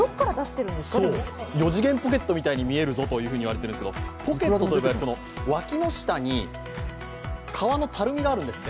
四次元ポケットみたいに見えるぞと言われているんですがポケットと呼ばれる脇の下にたるみがあるんですって。